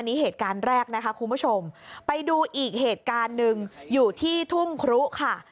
นี่เหตุการณ์แรกนะคะคุณผู้ชมไปดูอีกเหตุการณ์หนึ่งอยู่ที่ทุ่งครุค่ะ